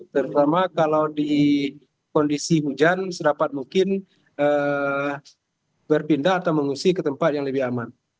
terutama kalau di kondisi hujan sedapat mungkin berpindah atau mengungsi ke tempat yang lebih aman